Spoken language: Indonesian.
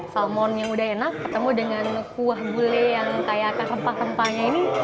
salmon yang udah enak ketemu dengan kuah gulai yang kayak rempah rempahnya ini